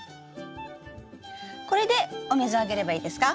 これでお水をあげればいいですか？